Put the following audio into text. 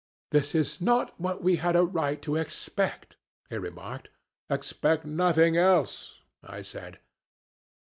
'This is not what we had a right to expect,' he remarked. 'Expect nothing else,' I said.